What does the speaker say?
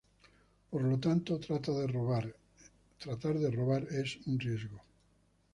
Por lo tanto, tratar de robar es un riesgo.